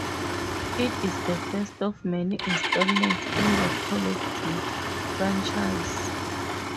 It is the first of many installments in the "Call of Duty" franchise.